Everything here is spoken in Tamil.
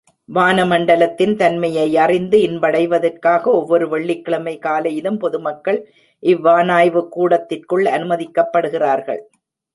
வான மண்டலத்தின் தன்மையை அறிந்து இன்படைவதற்காக ஒவ்வொரு வெள்ளிக்கிழமை காலையிலும் பொதுமக்கள் இவ்வானாய்வுக் கூடத்திற்குள் அனுமதிக்கப்படுகிறார்கள்.